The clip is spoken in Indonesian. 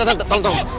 tunggu tunggu tunggu